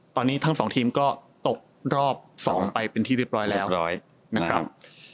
ตอนนี้ทั้งสองทีมก็ตกรอบ๒ไปเป็นที่เรียบร้อยแล้วนะครับ